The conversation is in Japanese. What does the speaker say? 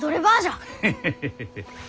ヘヘヘヘヘ。